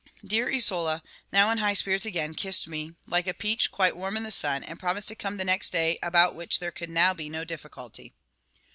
Dear Isola, now in high spirits again, kissed me, like a peach quite warm in the sun, and promised to come the next day, about which there could now be no difficulty.